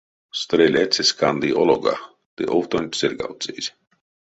Стрелецэсь канды олога, ды овтонть сыргавтсызь.